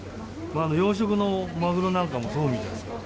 養殖のマグロなんかもそうみたいですよ。